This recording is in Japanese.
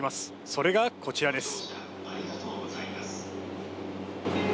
それがこちらです。